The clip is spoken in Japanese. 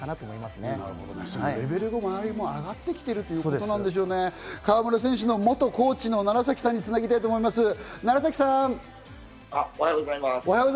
周りのレベルも上がってきてるという事なんですね、川村選手の元コーチの楢崎さんにつなげたいと思います。